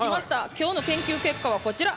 今日の研究結果は、こちら。